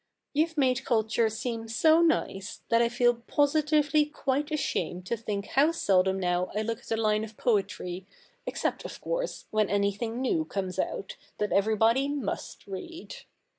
' You've made culture seem so nice, that I feel positively quite ashamed to think how seldom now I look at a line of poetry, except, of course, when any thing new comes out, that everybody must read.'